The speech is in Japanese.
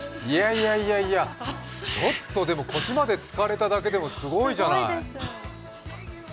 いやいや、ちょっと、でも腰までつかれただけでもすごいじゃない。